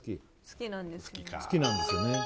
好きか好きなんですよね